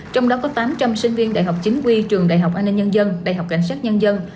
trong đó có tám trăm linh sinh viên đại học chính quy trường đại học an ninh nhân dân đại học cảnh sát nhân dân